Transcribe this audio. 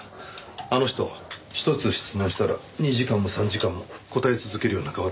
あの人１つ質問したら２時間も３時間も答え続けるような変わった人で。